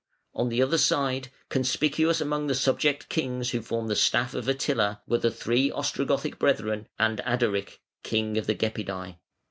On the other side, conspicuous among the subject kings who formed the staff of Attila, were the three Ostrogothic brethren, and Ardaric, king of the Gepidæ.